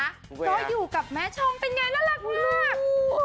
ก็อยู่กับแม่ชมเป็นยังไงรักมาก